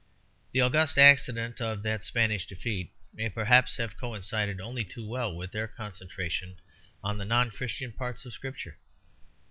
The august accident of that Spanish defeat may perhaps have coincided only too well with their concentration on the non Christian parts of Scripture.